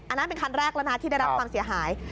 อันนั้นเป็นคันแรกแล้วนะที่ได้รับความเสียหาย